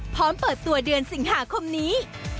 เปิดตัวเดือนสิงหาคมนี้